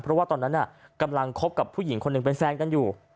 เพราะว่าตอนนั้นกำลังคบกับผู้หญิงคนหนึ่งเป็นแฟนกันอยู่